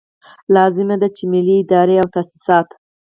لازمه ده چې ملي ادارې او تاسیسات.